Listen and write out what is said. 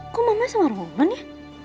kok mama sama roman ya